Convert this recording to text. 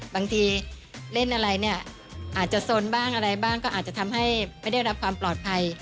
บางทีเล่นอะไรเนี่ยอาจจะสนบ้างอะไรบ้างก็อาจจะทำให้ไม่ได้รับความปลอดภัย